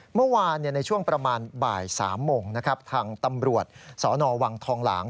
เมื่อวานในช่วงประมาณบ่าย๓โมงนะครับทางตำรวจสนวังทองหลาง